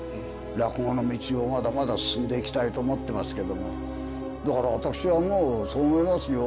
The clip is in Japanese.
落語の道をまだまだ進んでいきたいと思ってますけども、だから私はもうそう思いますよ。